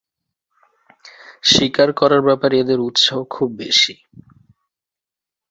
শিকার করার ব্যাপারে এদের উৎসাহ খুব বেশি।